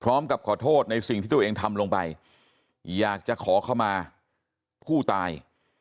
พร้อมกับขอโทษในสิ่งที่ตัวเองทำลงไปอยากจะขอเข้ามาผู้ตาย